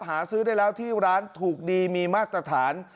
หาซื้อได้แล้วที่ร้านถูกดีมีมาตรฐาน